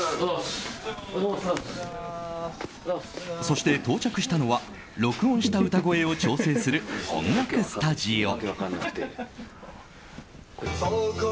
そして到着したのは録音した歌声を調整する音楽スタジオ。